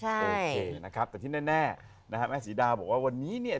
โอเคนะครับแต่ที่แน่นะฮะแม่ศรีดาบอกว่าวันนี้เนี่ย